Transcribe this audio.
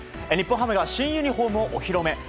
日本ハムが新ユニホームをお披露目。